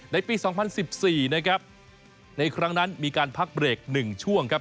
ในปี๒๐๑๔ในครั้งนั้นมีการพักเบรก๑ช่วง